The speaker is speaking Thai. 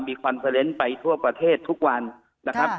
มีคอนเตอร์เลนต์ไปทั่วประเทศทุกวันนะครับ